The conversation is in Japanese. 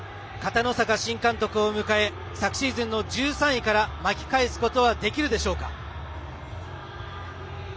片野坂新監督を迎え昨シーズンの１３位から巻き返すことはできるでしょうか。